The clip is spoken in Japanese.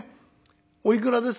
おいくらです？